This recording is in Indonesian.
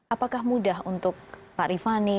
apakah mudah untuk pak rifani